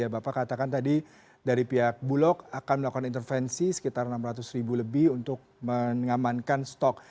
bapak katakan tadi dari pihak bulog akan melakukan intervensi sekitar enam ratus ribu lebih untuk mengamankan stok